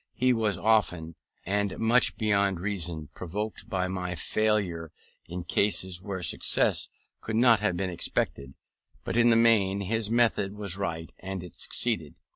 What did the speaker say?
He was often, and much beyond reason, provoked by my failures in cases where success could not have been expected; but in the main his method was right, and it succeeded.